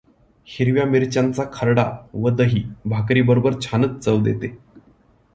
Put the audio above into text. हिरव्या मिरच्यांचा खर्डा व दही भाकरीबरोबर छानच चव देते.